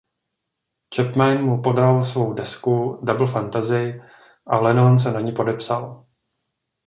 Chapman mu podal svou desku "Double Fantasy" a Lennon se na ni podepsal.